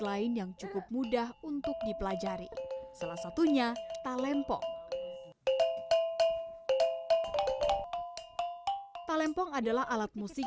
lain yang cukup mudah untuk dipelajari salah satunya talempong talempong adalah alat musik